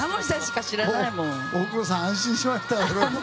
大黒さん、安心しましたよ。